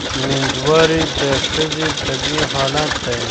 مېندواري د ښځې طبیعي حالت دی.